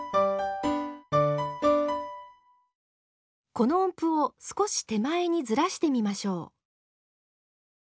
この音符を少し手前にずらしてみましょう。